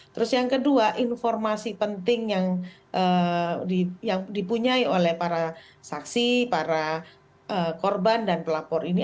terus yang kedua informasi penting yang dipunyai oleh para saksi para korban dan pelapor ini